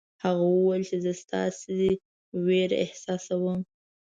هغه وویل چې زه ستاسې وېره احساسوم.